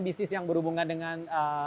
bisnis yang berhubungan dengan